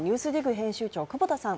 編集長、久保田さん